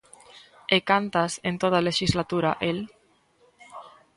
¿E cantas, en toda a lexislatura, el?